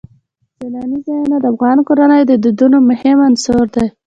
سیلانی ځایونه د افغان کورنیو د دودونو مهم عنصر دی.